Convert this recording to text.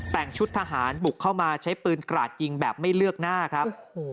แต่งชุดทหารบุกเข้ามาใช้ปืนกราดยิงแบบไม่เลือกหน้าครับ